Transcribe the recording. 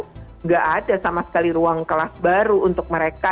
tidak ada sama sekali ruang kelas baru untuk mereka